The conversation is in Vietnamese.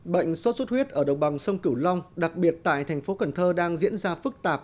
bệnh sốt xuất huyết ở đồng bằng sông cửu long đặc biệt tại thành phố cần thơ đang diễn ra phức tạp